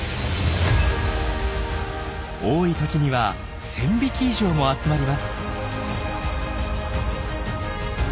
多い時には１，０００匹以上も集まります。